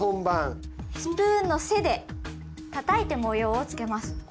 スプーンの背でたたいて模様をつけます。